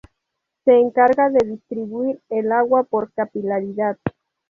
Se encarga de distribuir el agua por capilaridad.